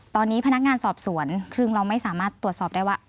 ตอนนี้พนักงานสอบสวนซึ่งเราไม่สามารถตรวจสอบได้ว่า